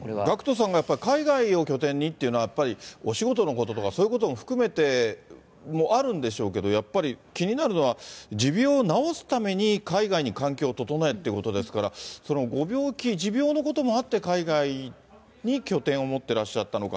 さんがやっぱり、海外を拠点にというのは、やっぱりお仕事のこととかそういうことも含めてもあるんでしょうけれども、やっぱり気になるのは、持病を治すために海外に環境を整えということですから、そのご病気、持病のこともあって、海外に拠点を持ってらっしゃったのか。